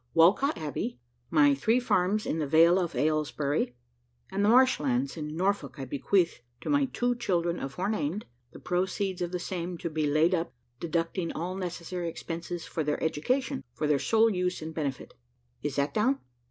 Walcot Abbey, my three farms in the Vale of Aylesbury, and the marsh lands in Norfolk I bequeath to my two children aforenamed, the proceeds of the same to be laid up deducting all necessary expenses for their education, for their sole use and benefit. Is that down?"